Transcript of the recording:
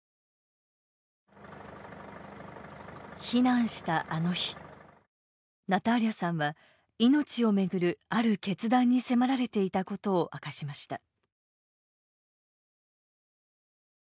避難した、あの日ナターリャさんは命を巡るある決断に迫られていたことを明かしました。